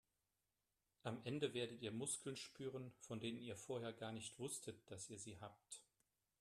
Am Ende werdet ihr Muskeln spüren, von denen ihr vorher gar nicht wusstet, dass ihr sie habt.